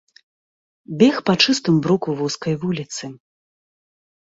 Бег па чыстым бруку вузкай вуліцы.